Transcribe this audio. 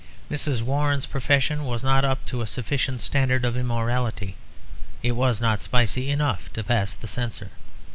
Mrs. Warren's Profession was not up to a sufficient standard of immorality; it was not spicy enough to pass the Censor.